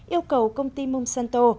yêu cầu công ty monsanto